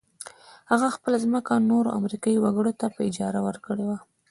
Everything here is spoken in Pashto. هغه خپله ځمکه نورو امريکايي وګړو ته په اجاره ورکړې وه.